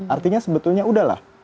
artinya sebetulnya udahlah